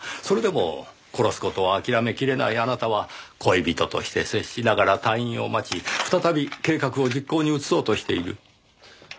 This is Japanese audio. それでも殺す事を諦めきれないあなたは恋人として接しながら退院を待ち再び計画を実行に移そうとしている。